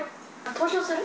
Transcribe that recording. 投票する？